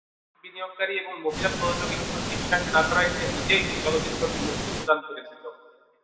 বিদেশি বিনিয়োগকারী এবং মহিলা প্রযোজকের ওপর বিশ্বাস না করায় সে নিজেই চলচ্চিত্রটি মুক্তি প্রদান করেছিলেন।